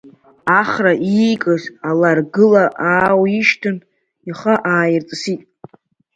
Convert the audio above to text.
Ахра иикыз аларгыла аауишьҭын, ихы ааирҵысит.